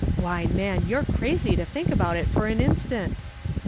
Why, man, you're crazy to think about it for an instant."